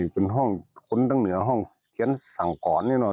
เป็นห้องคนตั้งเหนือห้องทีนสั่งกรณ์เนี่ยนะ